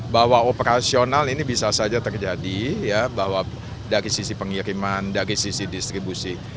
bahwa operasional ini bisa saja terjadi ya bahwa dari sisi pengiriman dari sisi distribusi